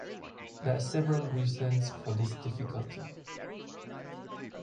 There are several reasons for this difficulty.